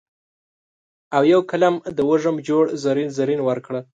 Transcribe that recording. او یو قلم د وږم جوړ زرین، زرین ورکړه